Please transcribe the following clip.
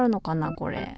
これ。